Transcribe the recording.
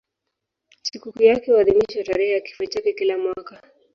Sikukuu yake huadhimishwa tarehe ya kifo chake kila mwaka.